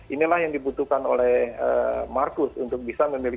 inilah yang dibutuhkan oleh marcus untuk bisa memiliki